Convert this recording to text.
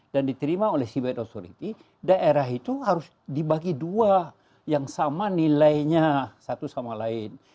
dan diterima oleh seabed authority daerah itu harus dibagi dua yang sama nilainya satu sama lain